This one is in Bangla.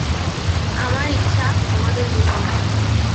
আমার ইচ্ছা তোমাদের মিলন হয়।